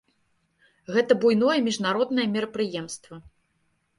Гэта буйное міжнароднае мерапрыемства.